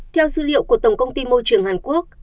theo dữ liệu của tổng công ty môi trường hàn quốc